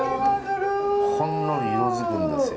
ほんのり色づくんですよ。